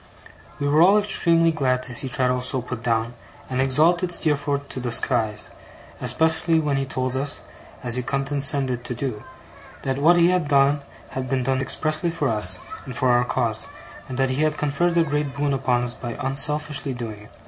We were all extremely glad to see Traddles so put down, and exalted Steerforth to the skies: especially when he told us, as he condescended to do, that what he had done had been done expressly for us, and for our cause; and that he had conferred a great boon upon us by unselfishly doing it.